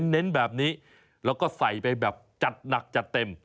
เน้นแบบนี้แล้วก็ใส่ไปแบบจัดหนักจัดเต็ม